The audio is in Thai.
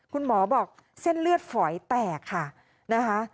คุณหมอบอกเส้นเลือดฝอยแตกค่ะนะคะ